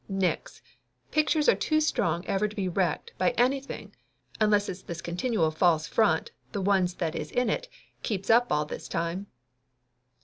Nix! Pictures are too strong ever to be wrecked by anything unless it's this continual false front the ones that is in it keeps up all the time."